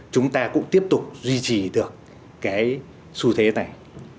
chúng ta cũng tiếp tục duy trì được cái xu thế này